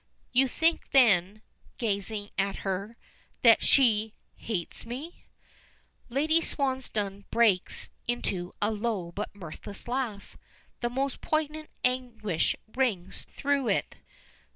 "You think, then," gazing at her, "that she hates me?" Lady Swansdown breaks into a low but mirthless laugh. The most poignant anguish rings through it.